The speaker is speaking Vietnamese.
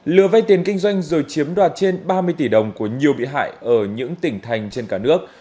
lừa vay tiền kinh doanh rồi chiếm đoạt trên ba mươi tỷ đồng của nhiều bị hại ở những tỉnh thành trên cả nước